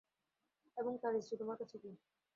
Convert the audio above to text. এবং তার স্ত্রী তোমার কাছে কী?